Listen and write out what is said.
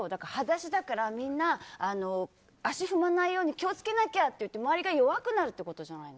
裸足だからみんな足を踏まないように気をつけなきゃって周りが弱くなるってことじゃない？